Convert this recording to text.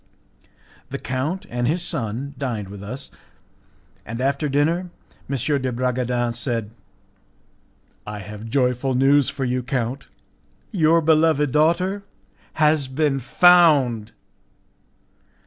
The count and his son dined with us, and after dinner M. de Bragadin said, "I have joyful news for you, count; your beloved daughter has been found!"